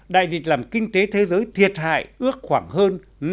đại dịch làm kinh tế thế giới thiệt hại ước khoảng hơn